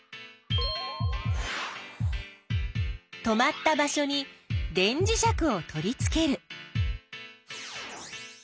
止まった場所に電磁石を取りつける。